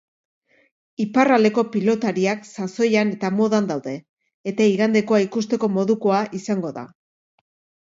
Iparraldeko pilotariak sasoian eta modan daude eta igandekoa ikusteko modukoa izango da.